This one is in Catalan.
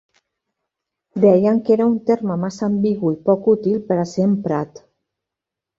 Deien que era un terme massa ambigu i poc útil per a ser emprat.